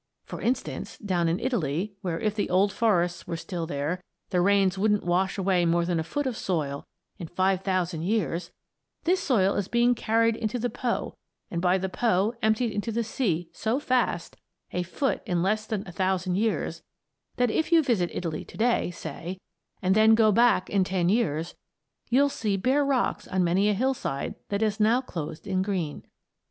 For instance, down in Italy where, if the old forests were still there, the rains wouldn't wash away more than a foot of soil in 5,000 years, this soil is being carried into the Po, and by the Po emptied into the sea so fast a foot in less than 1,000 years that if you visit Italy to day, say, and then go back in ten years, you'll see bare rocks on many a hillside that is now clothed in green.